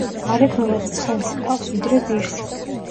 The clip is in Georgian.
გარეგნულად ცხენს ჰგავს, ვიდრე ვირს.